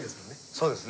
そうですね。